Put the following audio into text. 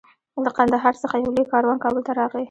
له قندهار څخه یو لوی کاروان کابل ته راغی.